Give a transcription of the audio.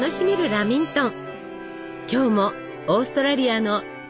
ラミントン。